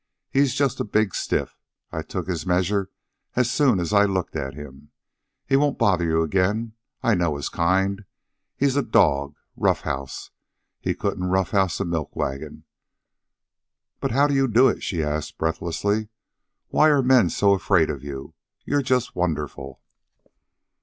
"He's just a big stiff. I took his measure as soon as I looked at him. He won't bother you again. I know his kind. He's a dog. Roughhouse? He couldn't rough house a milk wagon." "But how do you do it?" she asked breathlessly. "Why are men so afraid of you? You're just wonderful."